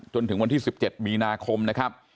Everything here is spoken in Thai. จนถึงวันที่๑๗มีนาคมนะครับ